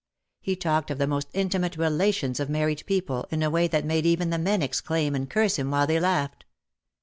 He talked of the most intimate relations of married people in a way that made even the men exclaim and curse him while they laughed.